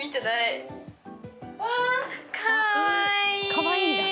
かわいいんだ。